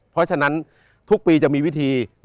เพราะฉะนั้นทุกปีจะมีวิธี